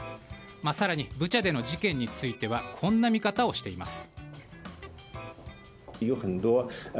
更にブチャでの事件についてはこんな見方をしています。